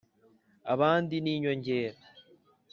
abandi ni inyogera